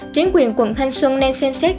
chính quyền quận thanh xuân nên xem xét